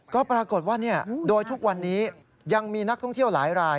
ก็ปรากฏว่าโดยทุกวันนี้ยังมีนักท่องเที่ยวหลายราย